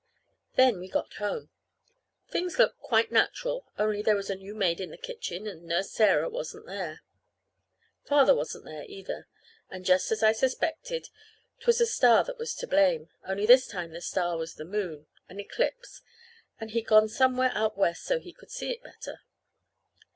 Then we got home. Things looked quite natural, only there was a new maid in the kitchen, and Nurse Sarah wasn't there. Father wasn't there, either. And, just as I suspected, 't was a star that was to blame, only this time the star was the moon an eclipse; and he'd gone somewhere out West so he could see it better.